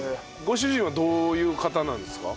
ご主人はどういう方なんですか？